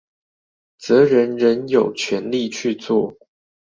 則人人有權利去做